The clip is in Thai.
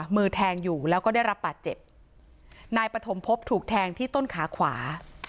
มือแทงอยู่แล้วก็ได้รับบาดเจ็บนายปฐมพบถูกแทงที่ต้นขาขวา